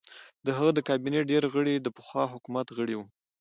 د هغه د کابینې ډېر غړي د پخوا حکومت غړي وو.